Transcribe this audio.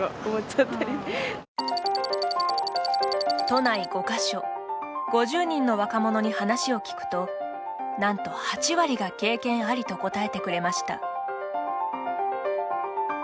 都内５か所、５０人の若者に話を聞くとなんと８割が経験ありと答えてくれました。